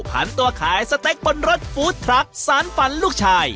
พันตัวขายสเต็กบนรถฟู้ดทรัคสารฝันลูกชาย